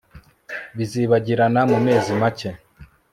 Bizibagirana mumezi make